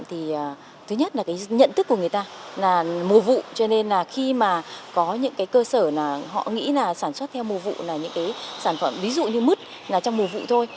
thứ nhất là cái nhận thức của người ta là mùa vụ cho nên là khi mà có những cái cơ sở là họ nghĩ là sản xuất theo mùa vụ là những cái sản phẩm ví dụ như mứt là trong mùa vụ thôi